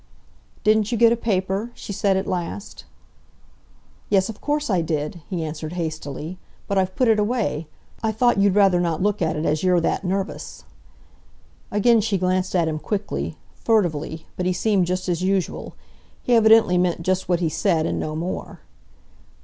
"Didn't you get a paper?" she said at last. "Yes, of course I did," he answered hastily. "But I've put it away. I thought you'd rather not look at it, as you're that nervous." Again she glanced at him quickly, furtively, but he seemed just as usual—he evidently meant just what he said and no more.